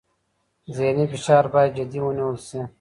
ذهني فشار باید جدي ونیول شي.